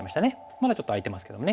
まだちょっと空いてますけどもね。